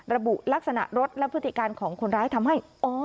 ระบุลักษณะรถและพฤติการของคนร้ายทำให้